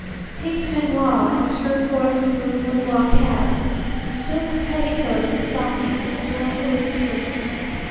Pink peignoir and turquoise blue boudoir cap, silk petticoat and stockings and adorable little slippers.